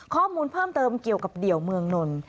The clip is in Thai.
ข้อมูลเพิ่มเติมเกี่ยวกับเดี่ยวเมืองนนท์